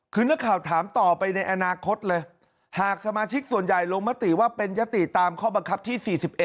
คือนักข่าวถามต่อไปในอนาคตเลยหากสมาชิกส่วนใหญ่ลงมติว่าเป็นยติตามข้อบังคับที่๔๑